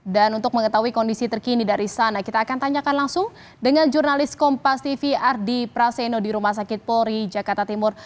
dan untuk mengetahui kondisi terkini dari sana kita akan tanyakan langsung dengan jurnalis kompas tv ardi praseno di rumah sakit polri jakarta timur